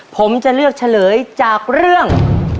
ผมจะเลือกเฉลยจากเรื่อง